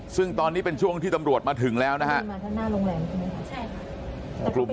ซึ่งตอนนี้เป็นชั่วโครงที่ทำรวจมาถึงแล้วทั้งหน้าครับ